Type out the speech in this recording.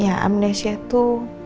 ya amnesia itu